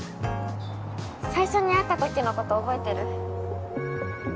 最初に会った時の事覚えてる？